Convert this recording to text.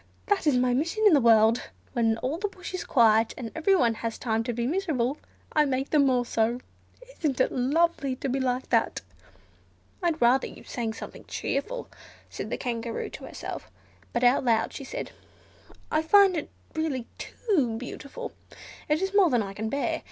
That is my mission in the world: when all the bush is quiet, and everyone has time to be miserable, I make them more so—isn't it lovely to be like that?" "I'd rather you sang something cheerful," said the Kangaroo to herself, but out loud she said, "I find it really too beautiful, it is more than I can bear.